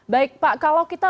baik pak kalau kita